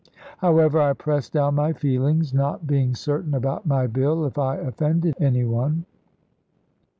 However, I pressed down my feelings, not being certain about my bill, if I offended any one.